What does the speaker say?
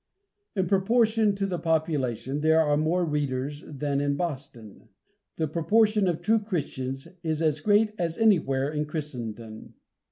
In proportion to the population, there are more readers than in Boston. The proportion of true Christians is as great as anywhere in Christendom.